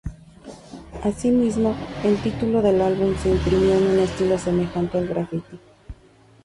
Asimismo, el título del álbum se imprimió en un estilo semejante al graffiti.